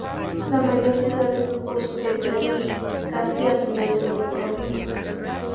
La mayor ciudad de su curso es Dreux, casi al final de su recorrido.